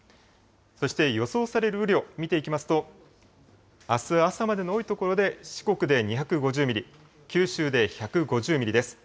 そして予想される雨量見ていきますと、あす朝までの多い所で四国で２５０ミリ、九州で１５０ミリです。